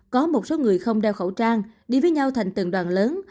có một số người không đeo khẩu trang đi với nhau thành từng đoàn lớn